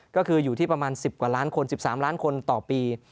ก็คืออยู่ที่ประมาณ๑๐กว่าล้านคน๑๓ล้านคนต่อปี